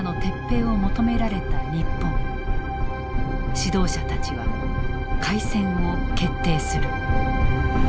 指導者たちは開戦を決定する。